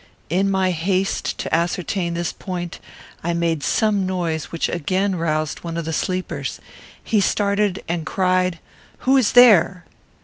In my haste to ascertain this point, I made some noise which again roused one of the sleepers. He started, and cried, "Who is there?"